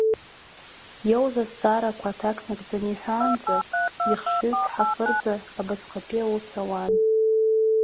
Иоуз азҵаара аҭак нагӡаны иҳәаанӡа, ихшыҩ цҳафырӡа абасҟатәи аус ауан.